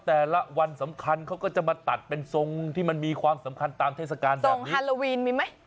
แต่ละวันสำคัญเขาก็จะมาตัดเป็นทรงที่มันมีความสำคัญตามเทศกาลทรงฮาโลวีนมีไหม